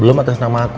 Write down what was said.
belum atas nama aku